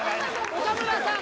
岡村さん